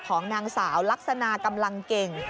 ของนางสาวลักษณะกำลังเก่ง